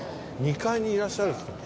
２階にいらっしゃる。